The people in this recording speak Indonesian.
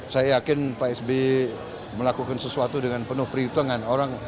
saya yakin pak sby melakukan sesuatu dengan penuh perhitungan